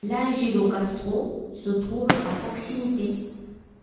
L’Angelókastro se trouve à proximité.